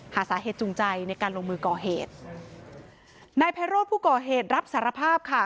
หาสาเหตุจูงใจในการลงมือก่อเหตุนายไพโรธผู้ก่อเหตุรับสารภาพค่ะ